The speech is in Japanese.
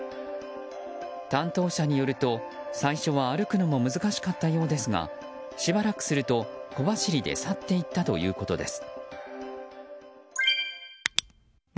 担当者によると、最初は歩くのも難しかったようですがしばらくすると小走りで去っていったということです。